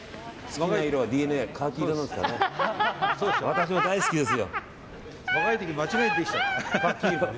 私も大好きですよ。